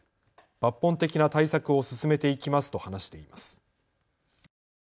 抜本的な対策を進めていきますと話しています。